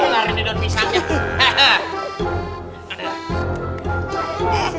udah di sini